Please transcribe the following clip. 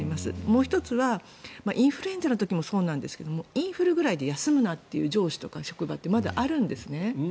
もう１つはインフルエンザもそうなんですがインフルくらいで休むなとかいう上司とか職場ってまだありますかね。